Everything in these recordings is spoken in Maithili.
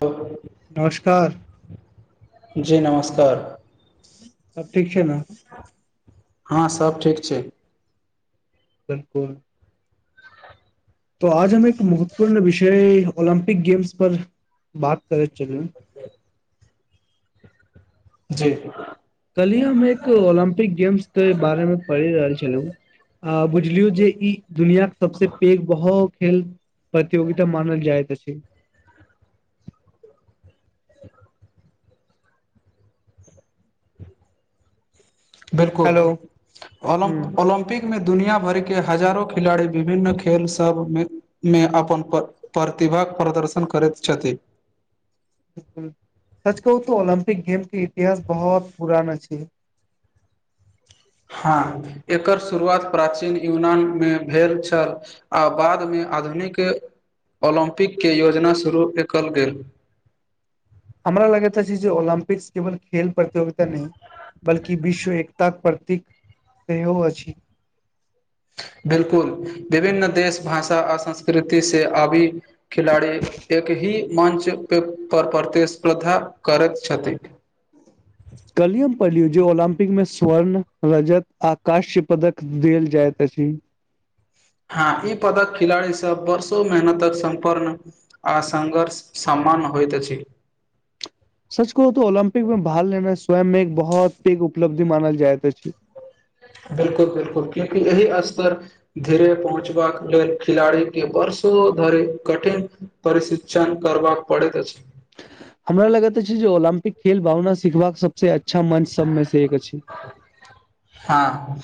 त नमस्कार जी नमस्कार सब ठीक छै ने हँ सब ठीक छै बिलकुल त आज हम एक महत्वपूर्ण विषय ओलम्पिक गेम्स पर बात करे चले जी कहलियी हम एक ओलम्पिक गेम्स के बारे मे पढ़ि रहल छलहुँ अ बुझलियौ जे ई दुनियाक सबसे पैघ बहु खेल प्रतियोगिता मानल जाइ त से ह [unintelligible] [unintelligible] बिलकुल हेलो ह ओलम्प ओलम्प म्पिक मे दुनिया भर के हजारो खेलाड़ी विभिन्न खेल सबमे मे अपन प्रतिभाक प्रदर्शन करैत छथि सच कहू तऽ ऑलम्पिक गेम के इतिहास बहुत पुराना छै हँ एकर शुरुआत प्राचीन यूनान मे भेल छल आ बादमे आधुनिक ओलम्पिकके योजना देखल गेल हमरा लगेता छै जे ओलम्पिक्स केवल खेल प्रतियोगिता नहि बल्कि विश्व एकताक प्रतीक सेहो अछि बिलकुल विभिन्न देश भाषा आ संस्कृति से अबी खिलाड़ी एक ही मञ्च पे पर प्रतिस्पर्धा करैत छथि [inaudible] कलियम पल्लू जे ओलम्पिक में स्वर्ण रजत आ काश्य पदक देल जाइत अछि हँ ई पदक खिलाड़ी सब वर्षों मेहन तक सम्पन्न आ संघर्ष समान होइत अछि सच कह तऽ ओलम्पिक में भालने मे स्वयं मे एक बहुत पैघ उपलब्धि मानल जाय त बिलकुल बिलकुल क्यकि एहि आससपर धीरे पहुँचबाक खिलड़ी के वर्षो धरि कठिन परिशिक्षण कर पड़ैत अछि हमरा लगैत छै जे ओलम्पिक खेल भावना सिखबाक सबस अच्छा मंच सबमे से एक अछि [inaudible] हँ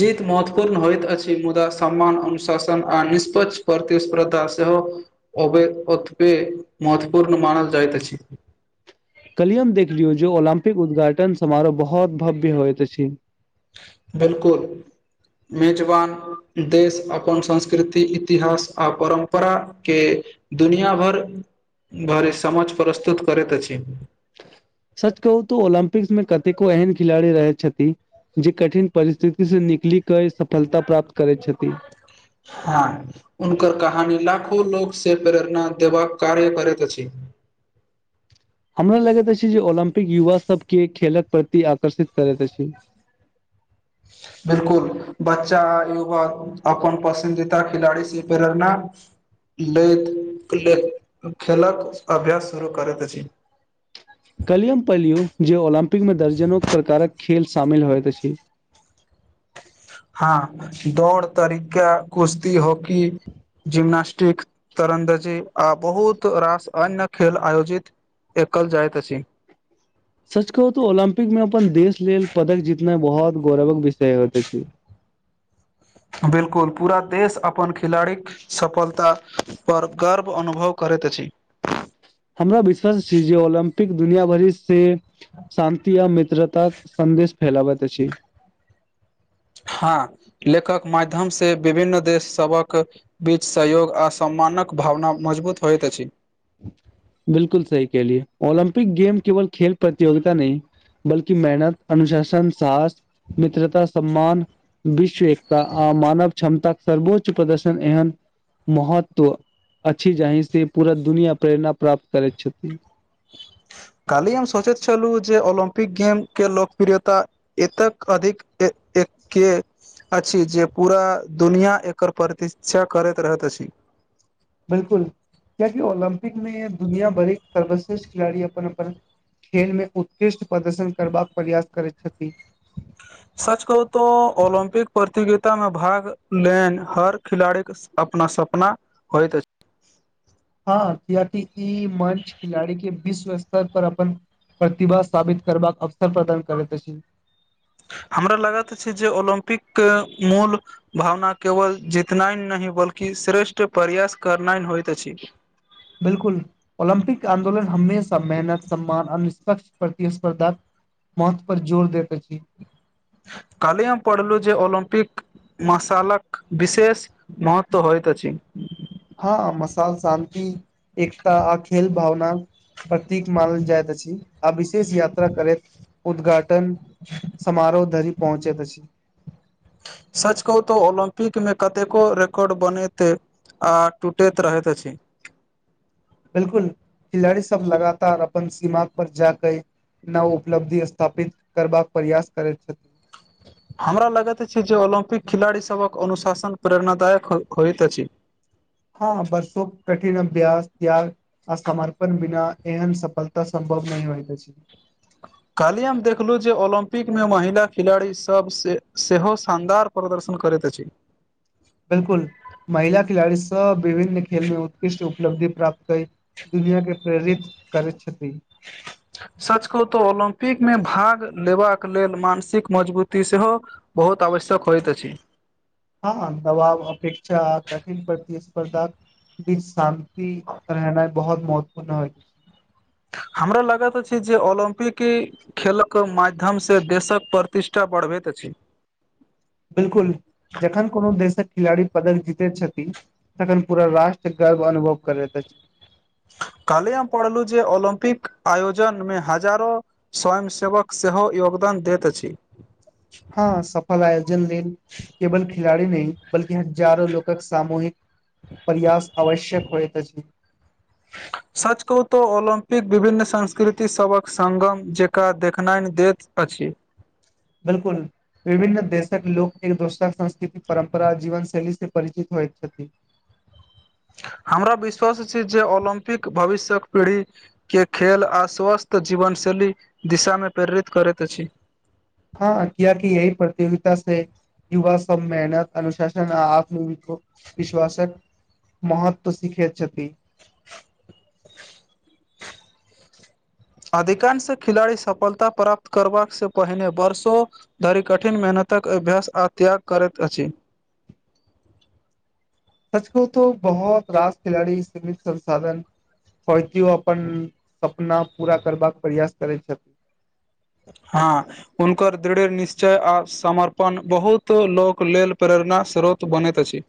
जीत महत्वपूर्ण होइत अछि मुदा सम्मान अनुशासन आ निष्पक्ष प्रतिस्पर्धा सेहो अत महत्वपूर्ण मान जाइतइत अछि कलियुग देख लियौ जे ओलम्पिक उद्घाटन समारोह बहुत भव्य होइत अछि बिलकुल मेजबान देश अपन संस्कृति इतिहास आ परम्परा के दुनिया भरि भरि समझ प्रस्तुत करैत अछि सच कहू तऽ ओलम्पिक्स में कतेको एहन खिलाड़ी रहै छथि जे कठिन परिस्थिति से निकलि कऽ ई सफलता प्राप्त करैत छथि हँ हुनकर कहानी लाखों लोग से प्रेरणा देबाक कार्य करैत अछि हमरा लगैत अछि जे ओलम्पिक युवा सब के खेलक प्रति आकर्षित करैत अछ [inaudible] बिलकुल बच्चा युवा अपन पसन्दीदा खिलाड़ी स प्रेरणा लैत ले खेलक अभ्यास शुरू करैत अछि कलयुग पलयुग जे ओलम्पिक में दर्जनो प्रकारक खेल शामिल होइत अछि हँ दौड़ तरीका कुश्ती होकी जिम्नास्टिक तिरन्दाजी आ बहुत रास अन्य खेल आयोजित एकल जाइत अछि सच कहू तऽ ओलम्पिक मे अपन देश लेल पदक जीतनाइ बहुत गौरवक विषय होइत अछि बिलकुल पूरा देश अपन खिलाड़ीक सफलता पर गर्व अनुभव करैत अछि हमरा विश्वास छै जे ओलम्पिक दुनिया भरि से शान्ति आ मित्रताक सन्देश फैलावत अछि हँ लेखक माध्यम से विभिन्न देश सभक बीच सहयोग आ सम्मानक भावना मजबूत होइत अछि बिलकुल सही कहलियै ओलम्पिक गेम केवल खेल प्रतियोगिता नहि बल्कि मेहनत अनुशासन साहस मित्रता सम्मान विश्व एकता आ मानव क्षमताक सर्वोच्च प्रदर्शन एहन महत्व अछि जाहि से पूरा दुनिया प्रेरणा प्राप्त करैत छथिन काल्हि हम सोचैत छलहुँ जे ओलम्पिक गेम के लोकप्रियता एतक अधिक ए एके अछि जे पूरा दुनिया एकर प्रतीक्षा करैत रहैत अछि बिलकुल क्याकि ओलम्पिक मे दुनिया भरिक सर्वश्रेष्ठ खिलाड़ी अपन अपन खेलमे उत्कृष्ट प्रदर्शन करबाक प्रयास करैत छथि सच कहू तो ओलम्पिक प्रतियोगिता में भाग लेन हर खिलाड़ी क अपना सपना होइत अछि हँ कियाकि ई मंच खिलाड़ी के विश्व स्तर पर अपन प्रतिभा साबित करबाक अवसर प्रदान करैत अछि हमरा लागत अछि जे ओलम्पिक के मूल भावना केवल जीतनाइन नहि बल्कि श्रेष्ठ प्रयास करनाइ होइत अछि बिल्कुल ओलम्पिक आंन्दोलन हमेशा मेहनत सम्मान आ निष्पक्ष प्रतिस्पर्धा महत्व पर जोर देैत अछि काल्हि हम पढ़लुं जे ओलिम्पिक मशालक विशेष महत्व होइत अछि हँ मसाल शान्ति एकता आ खेल भावनाक प्रतीक मानल जाइत अछि आ विशेष यात्रा करैत उद्घाटन समारोह धरि पहुँचैत अछि सच कहू तो ओलम्पिक में कतेको रिकॉर्ड बनैते आ टूटैत रहैत अछि बिलकुल खिलाड़ी सब लगातार अपन सीमा पर जाकऽ नव उपलब्धि स्थापित करबाक प्रयास करैत छथि हमरा लगैत अछि जे ओलम्पिक खिलाड़ीसभक अनुशासन प्रेरणादायक होइत अछि हँ बर्षो कठिन अभ्यास त्याग आ समर्पन बिना एहन सफलता संमरपन नहि होइत अछि काल्हि हम देखलहुँ जे ओलम्पिक में महिला खिलाड़ीसभ सेहो शानदार प्रदर्शन करैत अछि बिलकुल महिला खिलाड़ी सब विभिन्न खेल में उत्कृष्ट उपलब्धि प्राप्त क दुनिआ के प्रेरित करैत छथिन सचकहु तऽ ओलम्पिक में भाग लेबाक लेल मानसिक मजबूती सेहो बहुत आवश्यक होइत अछि हँ दबाब अपेक्षा आ कठिन प्रतिस्पर्धाक बीच शान्ति रहनाइ बहुत महत्वपूर्ण होइ हमरो लगत अछि जे ओलम्पिक खेलक माध्यमसँ देशक प्रतिष्ठा बढ़बैत अछि बिल्कुल जखन कोनो देशक खिलाड़ी पदक जितै छथि तखन पूरा राष्ट्र गर्व अनुभव करैत अछि कल्हि हम पढ़लु जे ओलम्पिक आयोजन मे हजारो स्वयं सेवक सेहो योगदान दैत अछि हँ सफल आयोजन लेल केवल खिलाड़ी नहि बल्कि हजारो लोकक सामूहिक परयास आवश्यक होएत अछि सच कहु तो ओलम्पिक विभिन्न संस्कृति सभक संगम जकाँ देखननि देत अछि बिलकुल विभिन्न देशक लोक एक दोसराक संस्कृति परम्परा जीवन शैली से परिचित होइत छथिन हमरा विश्वास अछि जे ओलम्पिक भविष्यक पीढ़ी के खेल आ स्वस्थ जीवनशैली दिशामे प्रेरित करैत अछि हँ कियेकि यही प्रतियोगिता से युवा सब मेहनत अनुशासन आ आत्म विश्वासक महत्व सीखैत छथि अधिकांश खिलाड़ी सफलता प्राप्त करबाक से पहिने वर्षो धरि कठिन मेहनतक अभ्यास आ त्याग करैत अछि सच कहु तो बहुत रास खिलाड़ी सीमित संसाधन [unintelligible] ओ अपन सपना पूरा करबाक प्रयास करै छथिन हँ हुनकर दृढ़ निश्चय आ समर्पण बहुत लोक लेल प्रेरणा स्रोत बनैत अछि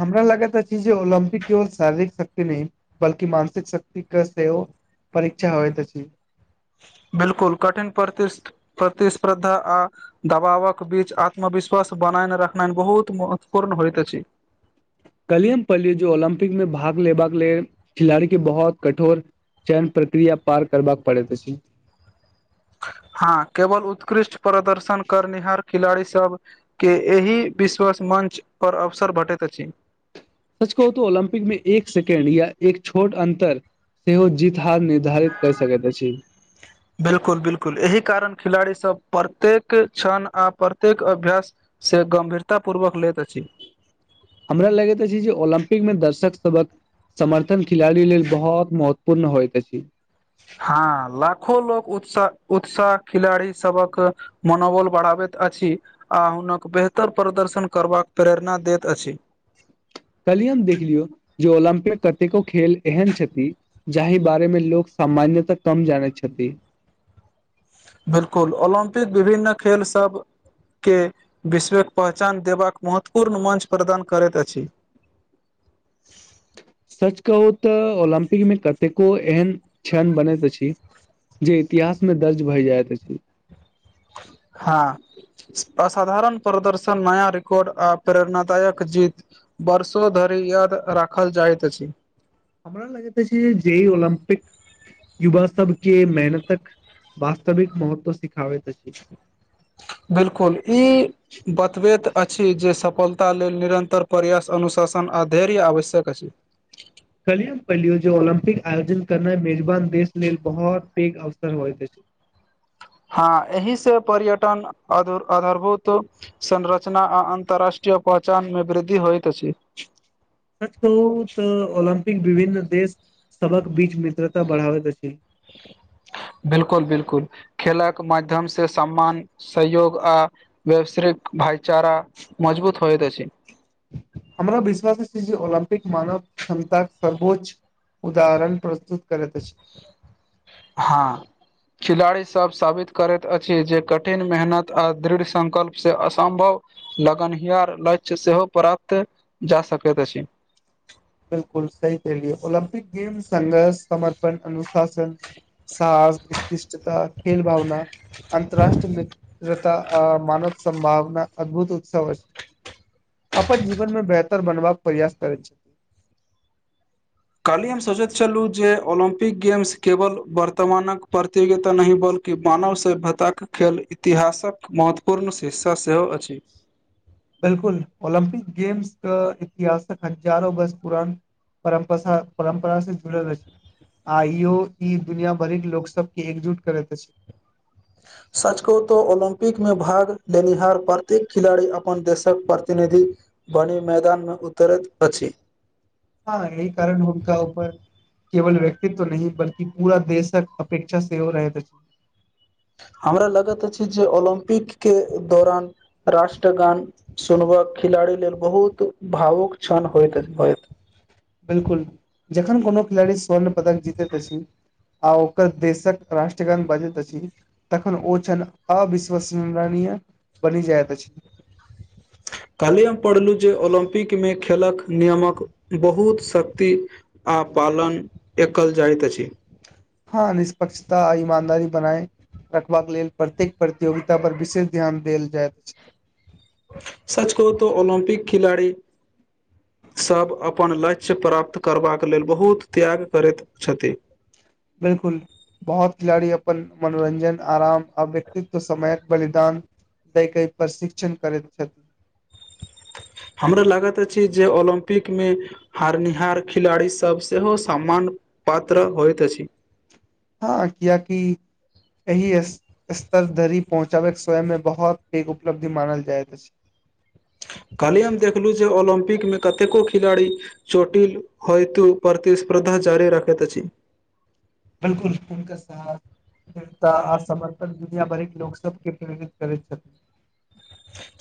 हमरा लागैत अछि जे ओलम्पिक केवल शारीरिक शक्ति नहि बल्कि मानसिक शक्तिके सेहो परीक्षा होइत अछि बिलकुल कठिन प्रति प्रतिस्पर्धा आ दबावक बीच आत्मविश्वास बनायन रखना बहुत महत्वपूर्ण होइत अछि कल्हि हम पल्लीयै जो ओलम्पिक मे भाग लेबाक लेल खिलाड़ी के बहुत कठोर चयन प्रक्रिया पार करबाक पड़ैत अछी हँ केवल उत्कृष्ट प्रदर्शन करनिहार खिलाड़ी सब के एहि विश्वस मञ्च पर अवसर भेटैत अछि सच कहू तऽ ओलम्पिक मे एक सेकंड या एक छोट अन्तर सेहो जीत हार निर्धारित कऽ सकैत अछि बिलकुल बिलकुल एहि कारण खिलाड़ीसभ प्रत्येक क्षण आ प्रत्येक अभ्यास से गम्भीरता पूर्वक लैत अछि हमरा लगैत अछि जे ओलम्पिक मे दर्शक सभक समर्थन खिलाड़ी लेल बहुत महत्वपूर्ण होइत अछि हँ लाखो लोक उत्साह उत्साह खिलाड़ी सबक मनोबल बढ़ाबैत अछि आ हुनक बेहतर प्रदर्शन करबाक प्रेरणा दैत अछि कल्हि हम देख लियौ जे ओलम्पिक कतेको खेल एहन छथि जाहि बारे मे लोक सामान्यत कम जानैत छथि बिलकुल ओलम्पिक विभिन्न खेल सब के विश्वक पहचान देबाक महत्वपूर्ण मंच प्रदान करैत अछि सच कहू तऽ ओलम्पिक मे कतेको एहन क्षण बनैत अछि जे इतिहास मे दर्ज भए जाएत अछि हॉं असाधारण प्रदर्शन नया रिकॉर्ड आ प्रेरणादायक जीत वर्षों धरि याद राखल जाइत अछि हमरा लगित अछि जे ई ओलम्पिक युवा सब के मेहनतक वास्तविक महत्व सिखाबैत अछि बिलकुल ई बतबैत अछि जे सफलता लेल निरन्तर प्रयास अनुशासन आ धैर्य आवश्यक अछि कलिय पहिलियो जे ओलम्पिक आयोजन करनाइ मेजबान देश लेल बहुत पेघ अवसर होइत अछि हँ एहि से पर्यटन अध अधारभुत संरचना आ अंतर्राष्ट्रीय पहचान में वृद्धि होइत अछि सच कह तऽ ऑलम्पिक विभिन्न देश सक बीच मित्रता बढ़बैत अछि [inaudible] बिलकुल बिलकुल खेलाक माध्यम से सम्मान सहयोग आ व्यवसयरिक भाईचारा मजबूत होइत अछि हमरा विश्वास छै जे ओलम्पिक मानव क्षमताक सर्वोच्च उदाहरण प्रस्तुत करैत अछि हाँ खिलाड़ीसब साबित करैत अछि जे कठिन मेहनत आ दृढ़ संकल्प से असम्भव लगनहिहार लक्ष्य सेहो प्राप्त जा सकैत अछि बिलकुल सही कहलियै ओलम्पिक गेम संघर्ष समर्पण अनुशासन साहस उतकृष्टता खेल भावना अन्तरराष्ट्रीय मित्रता आ मानव संभावना अद्भुत उत्सव अछि अपन जीवन में बेहतर बनबाक प्रयास करैत छथिन काल्हि हम सोचैत छलहुँ जे ओलम्पिक गेम्स केवल वर्तमानक प्रतियोगिता नहि बल कि मानव सभ्यताक खेल इतिहासक महत्वपूर्ण शिक्षा सेहो अछि बिलकुल ओलम्पिक गेम्स कऽ इतिहासक हजारो वर्ष पुरान परपथा परम्परा से जुड़ल अछी आइयौ ई दुनिया भर के लोग सब के एकजुट करैत अछि सच कहूँ तो ओलम्पिक मे भाग लेनिहार प्रत्येक खिलाड़ी अपन देशक प्रतिनिधि बड़ी मैदानमे उतरैत अछि हँ यही कारण हुनका ऊपर केवल व्यक्तित्व नहि बल्कि पूरा देशक अपेक्षा सेहो रहैत अछि हमरा लगत अछि जे ओलम्पिक के दौरान राष्ट्रगान सुनबा खिलाड़ी लेल बहुत भावुक क्षण होइत होइत बिलकुल जखन कोनो खिलाड़ी स्वर्ण पदक जितैत अछि आ ओकर देशक राष्ट्रगान बजैत अछि तखन ओ छनि अविश्वसमरनीय बनि जाईत अछि काल्हि हम पढ़लहुँ जे ओलम्पिकमे खेलक नियमक बहुत शक्ति आ पालन एकल जाइत अछि हँ निष्पक्षता ईमानदारी बनाए रखबाक लेल प्रत्येक प्रतियोगिता पर विशेष ध्यान देल जायइत छै सच कहू तऽ ओलम्पिक खिलाड़ी सभ अपन लक्ष्य प्राप्त करबाक लेल बहुत त्याग करैत छथिन बिलकुल बहोत खिलाड़ी अपन मनोरञ्जन आराम आ व्यक्तित्व समयक बलिदान दैके प्रशिक्षण करैत छथिन हमरा लागैत अछि जे ओलम्पिक मे हारनिहार खिलाड़ी सब सेहो सम्मान पात्र होइत अछि हँ कियाकि एहि स्तर धरि पहुंचाबे के स्वयं में बहुत पैघ उपलब्धि मानल जाइत अछि [inaudible] काल्हि हम देखलहुँ जे ओलम्पिक मेंकतेको खिलाड़ी चोटिल होइतो प्रतिस्पर्धा जारी राखैत अछि बिल्कुल हुनका साथ तऽ आ समर्पण दुनियाभरिक लोकसभके प्रेरित करैत छथि।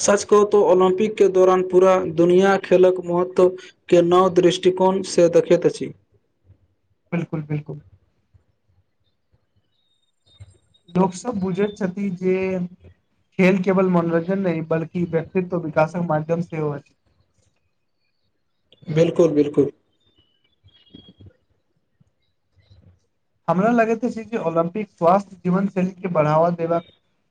सच कहूँ तऽ ओलम्पिकके दौरान पूरा दुनिया खेलक महत्व। के नव दृष्टिकोणसँ देखैत अछि। बिल्कुल बिल्कुल लोक सभ बुझैत छथि जे खेल केवल मनोरञ्जन नहि, बल्कि व्यक्तित्व विकासक माध्यम सेहो अछि। बिल्कुल बिल्कुल हमरा लगैत छै जे ओलम्पिक स्वास्थ्य जीवन शैलीके बढ़ावा देबाक।